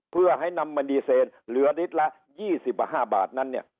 เพื่อให้น้ำมันนี่เสร็จเหลือนิดละ๒๕บาทนั้นเนี่ย